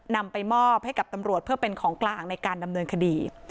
นำไปมอบให้กับตำรวจเพื่อเป็นของกลางในการดำเนินคดี